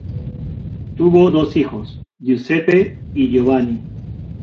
Tuvo dos hijos, Giuseppe y Giovanni.